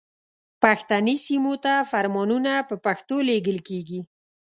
پښتني سیمو ته فرمانونه په پښتو لیږل کیږي.